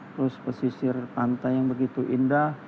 terus pesisir pantai yang begitu indah